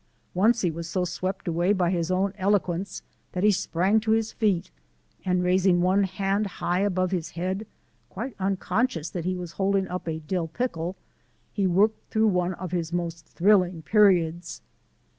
Once he was so swept away by his own eloquence that he sprang to his feet and, raising one hand high above his head (quite unconscious that he was holding up a dill pickle), he worked through one of his most thrilling periods.